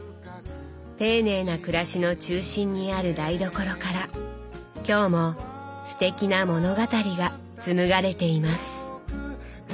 丁寧な暮らしの中心にある台所から今日もすてきな物語が紡がれています。